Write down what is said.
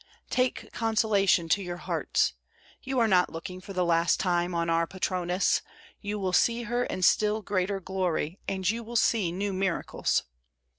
Take consolation to your hearts. You are not looking for the last time on our Patroness: you will see her in still greater glory, and you will see new miracles.